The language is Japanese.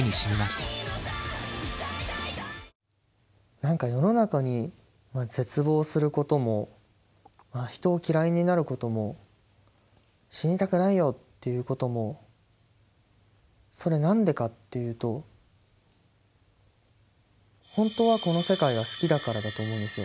何か世の中に絶望することも人を嫌いになることも死にたくないよっていうこともそれ何でかっていうと本当はこの世界が好きだからだと思うんですよ。